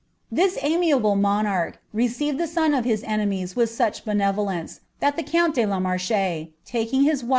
Thai amiable monarcli received the son of hit I i such benerolence, that the count de la Marche, taking his ' »St Pari*.